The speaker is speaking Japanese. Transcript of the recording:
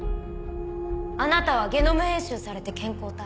あなたはゲノム編集されて健康体。